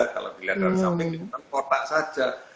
kalau dilihat dari samping kotak saja